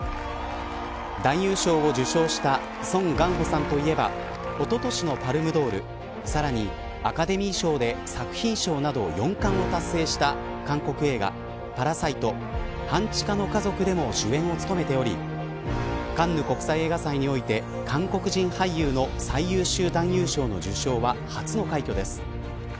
男優賞を受賞したソン・ガンホさんといえばおととしのパルムドールさらにアカデミー賞で作品賞など４冠を達成した韓国映画パラサイト半地下の家族でも主演を務めておりカンヌ国際映画祭において韓国人俳優の最優秀男優賞の受賞は初の快挙です。